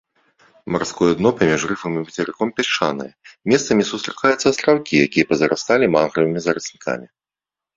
Марское дно паміж рыфам і мацерыком пясчанае, месцамі сустракаюцца астраўкі, якія пазарасталі мангравымі зараснікамі.